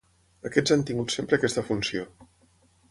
Aquests han tingut sempre aquesta funció.